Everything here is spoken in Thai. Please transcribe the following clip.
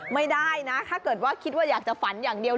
ไม่ได้นะถ้าเกิดว่าคิดว่าอยากจะฝันอย่างเดียว